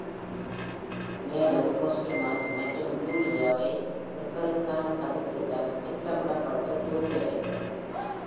மேலும், Postumus மற்றும Julia - வை மீட்பதற்கான சதித்திட்டம் திட்டமிடப்பட்டு தோல்வியடைந்தது.